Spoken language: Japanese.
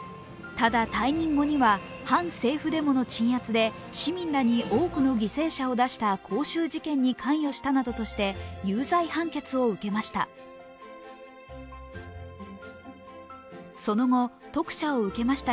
ただ、退任後には反政府デモの鎮圧で市民らに多くの犠牲者を出した光州事件に関与したなどとして有罪判決を受けました。